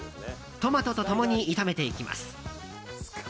トマトと共に炒めていきます。